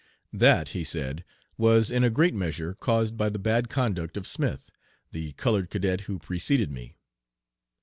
'That,' he said, 'was in a great measure caused by the bad conduct of Smith, the colored cadet who preceded me.